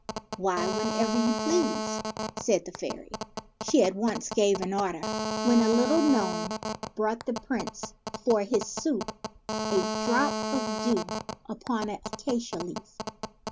"Why, whenever you please," said the fairy. She at once gave an order, when a little gnome brought the Prince for his soup a drop of dew upon an acacia leaf.